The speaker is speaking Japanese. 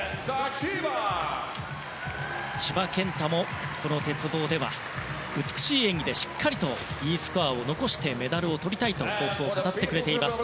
千葉健太もこの鉄棒では美しい演技でしっかりとＥスコアを残してメダルをとりたいと抱負を語ってくれています。